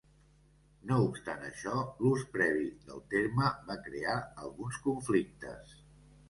No obstant això, l'ús previ del terme va crear alguns conflictes.